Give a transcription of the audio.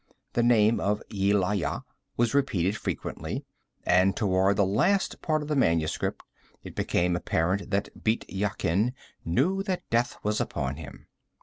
The name of Yelaya was repeated frequently, and toward the last part of the manuscript it became apparent that Bît Yakin knew that death was upon him.